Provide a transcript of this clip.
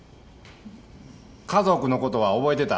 家族のことは覚えてた？